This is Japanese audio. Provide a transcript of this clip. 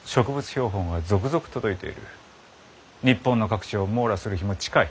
日本の各地を網羅する日も近い。